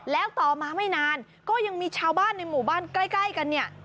แล้วต่อมาไม่นานก็ยังมีชาวบ้านในหมู่บ้านใกล้กันเนี่ย